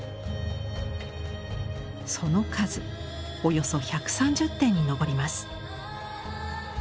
その数およそ１３０点に上ります。